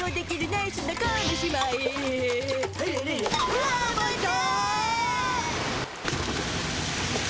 うわまた？